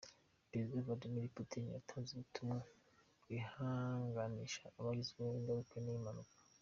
Perezida Vladmir Putin yatanze ubutumwa bwihanganisha abagizweho ingaruka n’iyi mpanuka.